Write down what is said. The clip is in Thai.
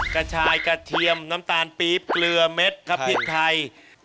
กระชายกระเทียมน้ำตาลปี๊บเกลือเม็ดครับพริกไทย